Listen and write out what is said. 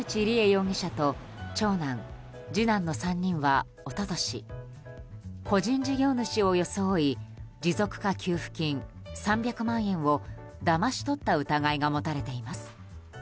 容疑者と長男、次男の３人は一昨年、個人事業主を装い持続化給付金３００万円をだまし取った疑いが持たれています。